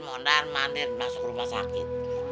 mondar mandir masuk rumah sakit